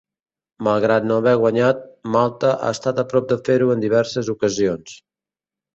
Malgrat no haver guanyat, Malta ha estat prop de fer-ho en diverses ocasions.